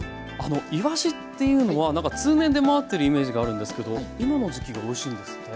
いわしっていうのは通年出回ってるイメージがあるんですけど今の時期がおいしいんですね。